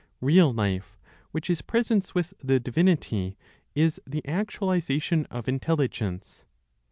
Real life (which is presence with the divinity) is the actualization of intelligence.